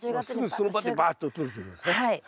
すぐその場でばっととるということですね。